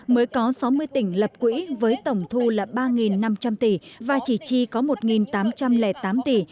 mới có sáu mươi tỉnh lập quỹ với tổng thu là ba năm trăm linh tỷ và chỉ chi có một tám trăm linh tám tỷ